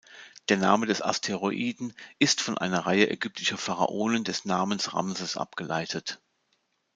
Der Name des Asteroiden ist von einer Reihe ägyptischer Pharaonen des Namens Ramses abgeleitet.